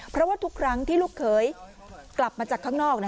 เพราะว่าทุกครั้งที่ลูกเขยกลับมาจากข้างนอก